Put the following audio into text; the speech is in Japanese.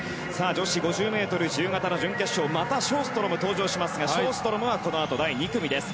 女子５０ｍ自由形の準決勝またショーストロムが登場しますがショーストロムは、このあと第２組です。